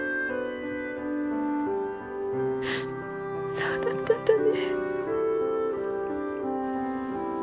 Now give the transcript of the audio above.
そうだったんだね。